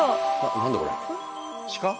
何だこれ？